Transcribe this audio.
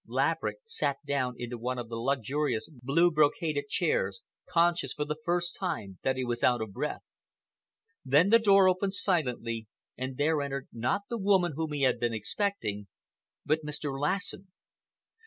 Laverick sank down into one of the luxurious blue brocaded chairs, conscious for the first time that he was out of breath. Then the door opened silently and there entered not the woman whom he had been expecting, but Mr. Lassen.